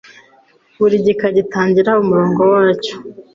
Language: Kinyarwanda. Buri gika gitangira umurongo wacyo